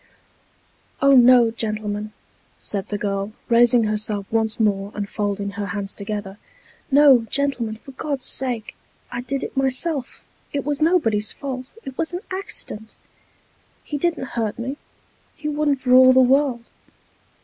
" Oh, no, gentlemen," said the girl, raising herself once more, and folding her hands together ;" no, gentlemen, for God's sake ! I did it myself it was nobody's fault it was an accident. He didn't hurt me ; he wouldn't for all the world.